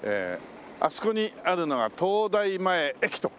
あそこにあるのが東大前駅と。